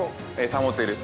保てる。